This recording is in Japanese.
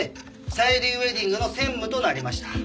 さゆりウェディングの専務となりました。